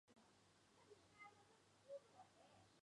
他现在效力于英冠球会谢周三足球俱乐部。